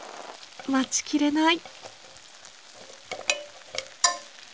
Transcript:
待ちきれない。